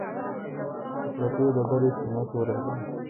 د پرتې ډبرې سینه سورۍ ده.